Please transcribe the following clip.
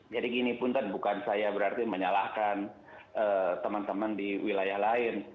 jadi gini pun bukan saya berarti menyalahkan teman teman di wilayah lain